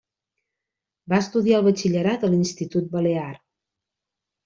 Va estudiar el batxillerat a l'Institut Balear.